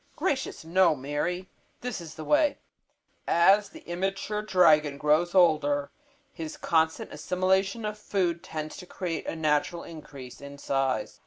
"Gracious, no, Mary! This is the way: As the immature dragon grows older, his constant assimilation of food tends to create a natural increase in size.